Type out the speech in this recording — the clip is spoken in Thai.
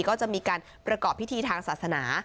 ก็จะมีการประกอบพิธีทางศาสนา